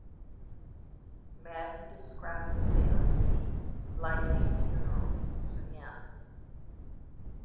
Madden described the sale to be "like a funeral" to him.